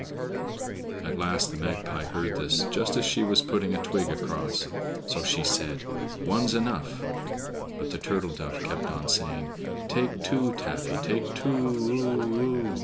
At last the Magpie heard this just as she was putting a twig across. So she said: "One's enough." But the turtle dove kept on saying: "Take two, Taffy, take two o o o."